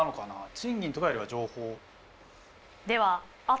賃金とかよりは情報。